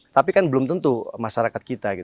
tapi kan belum tentu masyarakat kita